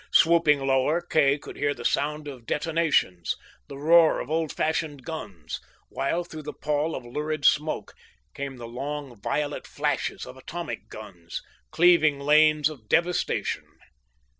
Swooping lower, Kay could hear the sound of detonations, the roar of old fashioned guns, while through the pall of lurid smoke came the long, violet flashes of atomic guns, cleaving lanes of devastation.